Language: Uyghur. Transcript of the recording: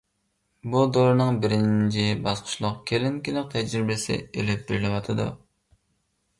بۇ دورىنىڭ بىرىنچى باسقۇچلۇق كىلىنىكىلىق تەجرىبىسى ئېلىپ بېرىلىۋاتىدۇ.